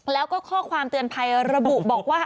แล้วก็ข้อความเตือนภัยระบุบอกว่า